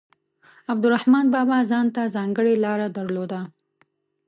عبدالرحمان بابا ځانته ځانګړې لاره درلوده.